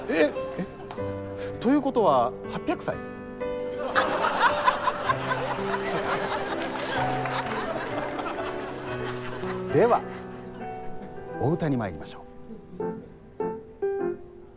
えっということは８００歳？ではお歌にまいりましょう。